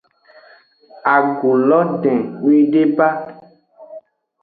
Agu lo den nyuiede ba.